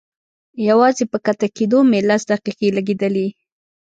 يوازې په کښته کېدو مې لس دقيقې لګېدلې.